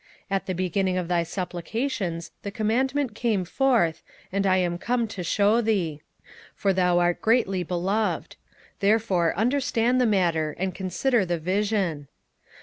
27:009:023 At the beginning of thy supplications the commandment came forth, and I am come to shew thee; for thou art greatly beloved: therefore understand the matter, and consider the vision.